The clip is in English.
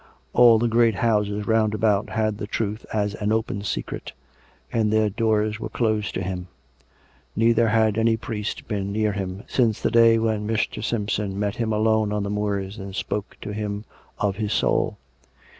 All the great houses round about had the truth as an open secret; and their doors were closed to him; neither had any priest been near him, since the day when Mr. Simpson met him alone on the moors and spoke to him of his soul.